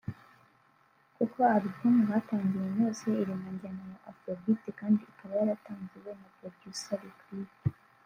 Kuko album batangiranye yose iri mu njyana ya Afrobeat kandi ikaba yaratangiwe na Producer Lick Lick